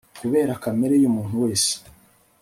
kubera kamere yamuntu wese